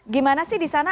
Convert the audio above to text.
gimana sih di sana